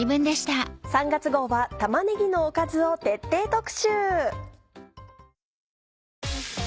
３月号は玉ねぎのおかずを徹底特集。